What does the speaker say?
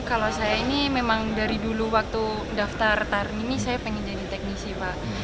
kalau saya ini memang dari dulu waktu daftar tari ini saya pengen jadi teknisi pak